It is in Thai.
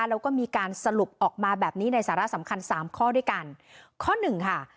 แล้วก็มีการสรุปออกมาแบบนี้ในสาระสำคัญสามข้อด้วยกันข้อหนึ่งค่ะ